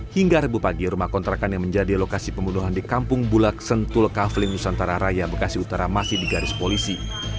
hingga rabu pagi rumah kontrakan yang menjadi lokasi pembunuhan di kampung bulak sentul kafling nusantara raya bekasi utara masih digaris polisi